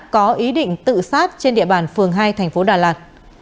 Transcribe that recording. có ý định tự sát trên địa bàn phường hai tp đà lạt